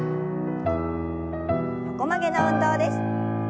横曲げの運動です。